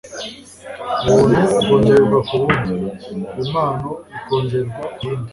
Ubuntu bwongerwa ku bundi, impano ikongerwa ku yindi.